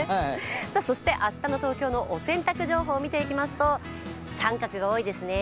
そして明日の東京のお洗濯情報を見ていきますと、△が多いですね。